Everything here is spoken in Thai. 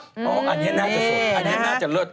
อันนี้น่าจะสดอันนี้น่าจะเลิศ